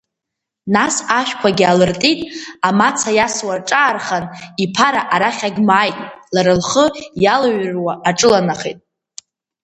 Нас ашәқәагьы алыртит, амаца иасуа рҿаархан, иԥара арахь агьмааит, лара лхы иалыҩруа аҿыланахеит.